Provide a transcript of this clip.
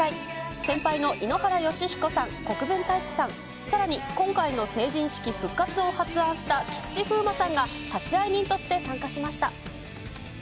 先輩の井ノ原快彦さん、国分太一さん、さらに今回の成人式復活を発案した菊池風磨さんが立会人として参加しました。